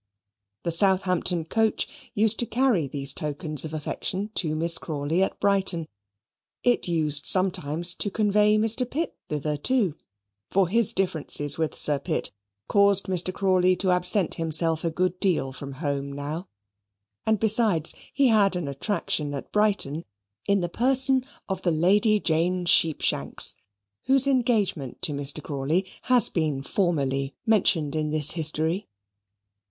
The Southampton coach used to carry these tokens of affection to Miss Crawley at Brighton: it used sometimes to convey Mr. Pitt thither too: for his differences with Sir Pitt caused Mr. Crawley to absent himself a good deal from home now: and besides, he had an attraction at Brighton in the person of the Lady Jane Sheepshanks, whose engagement to Mr. Crawley has been formerly mentioned in this history.